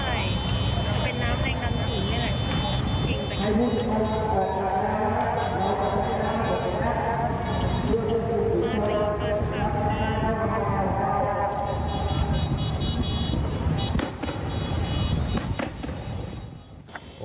มาสิ่งฝากปลาปลา